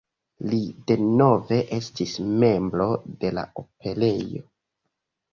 Li denove estis membro de la Operejo.